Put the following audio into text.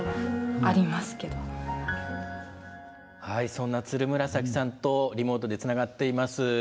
はいそんなつるむらさきさんとリモートでつながっています。